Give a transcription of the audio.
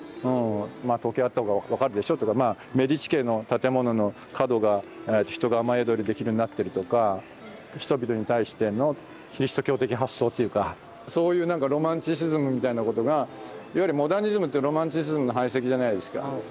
まあ時計あった方が分かるでしょっていうかメディチ家の建物の角が人が雨宿りできるようになってるとか人々に対してのキリスト教的発想っていうかそういうなんかロマンチシズムみたいなことがいわゆるモダニズムってロマンチシズムの排斥じゃないですか。